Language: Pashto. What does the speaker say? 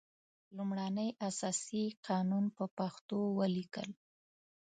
لومړنی اساسي قانون په پښتو ولیکل.